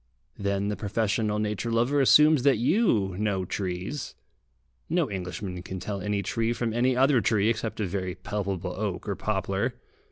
Then the professional nature lover assumes that you know trees. No Englishman can tell any tree from any other tree, except a very palpable oak or poplar.